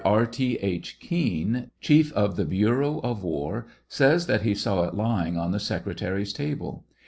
R T. H. Kean, chief of the bureau of war, says that he saw it lying on the secretary's table.